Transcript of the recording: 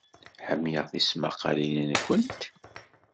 Ḥemmleɣ tismaqqalin-nwent.